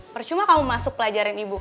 bercuma kamu masuk pelajaran ibu kan